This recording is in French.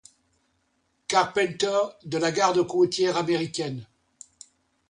Carpenter de la Garde-côtière américaine.